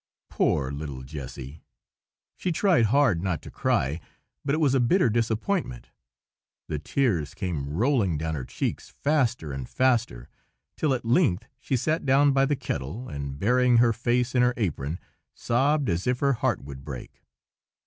Poor little Jessy! she tried hard not to cry, but it was a bitter disappointment; the tears came rolling down her cheeks faster and faster, till at length she sat down by the kettle, and, burying her face in her apron, sobbed as if her heart would break.